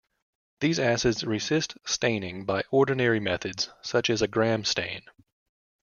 These acids resist staining by ordinary methods such as a Gram stain.